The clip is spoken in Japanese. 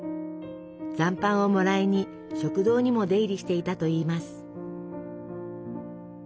残飯をもらいに食堂にも出入りしていたといいます。